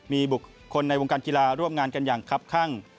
มีบุคคลในวงการกีฬาร่วมงานกันอย่างคับข้าง